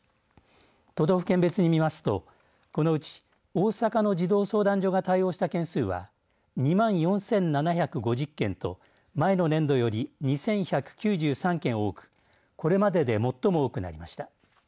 都道府県別に見ますとこのうち、大阪の児童相談所が対応した件数は２万４７５０件と前の年度より２１９３件多くこれまでで最も多くなりました。